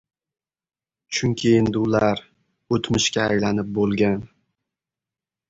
Chunki endi ular – o‘tmishga aylanib bo‘lgan.